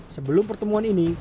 sebelum pertemuan ini